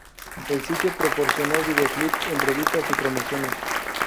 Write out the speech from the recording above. El sitio proporcionó videoclips, entrevistas y promociones.